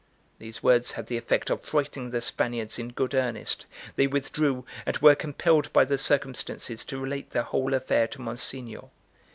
These words had the effect of frightening the Spaniards in good earnest. They withdrew, and were compelled by the circumstances to relate the whole affair to Monsignor.